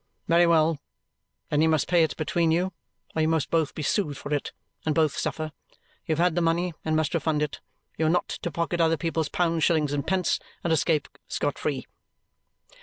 "Very well! Then you must pay it between you or you must both be sued for it and both suffer. You have had the money and must refund it. You are not to pocket other people's pounds, shillings, and pence and escape scot free."